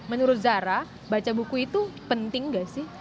menurut zara baca buku itu penting gak sih